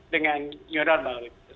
dengan neuronal itu